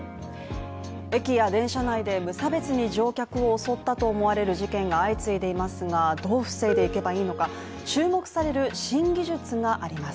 駅や電車内で無差別に乗客を襲ったと思われる事件が相次いでいますがどう防いでいけばいいのか、注目される新技術があります。